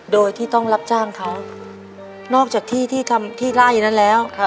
โดยที่ต้องรับจ้างเขานอกจากที่ที่ทำที่ไล่นั้นแล้ว